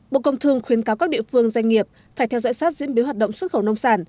bộ công thương khuyến cáo các địa phương doanh nghiệp phải theo dõi sát diễn biến hoạt động xuất khẩu nông sản